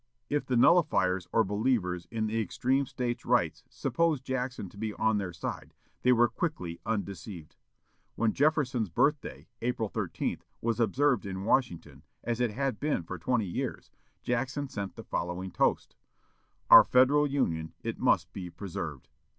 If the nullifiers or believers in extreme States' rights supposed Jackson to be on their side, they were quickly undeceived. When Jefferson's birthday, April 13, was observed in Washington, as it had been for twenty years, Jackson sent the following toast: "OUR FEDERAL UNION: IT MUST BE PRESERVED."